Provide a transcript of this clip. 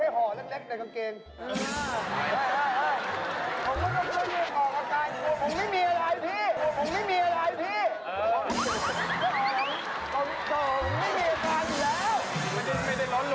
เราโอเคส่วนหน่อยอย่าไปกลัว